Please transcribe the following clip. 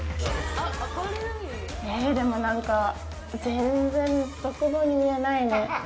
なんか、全然独房に見えないね。